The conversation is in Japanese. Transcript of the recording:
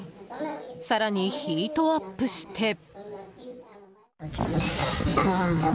更にヒートアップして。